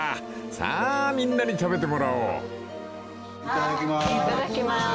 さあみんなに食べてもらおう］いただきます。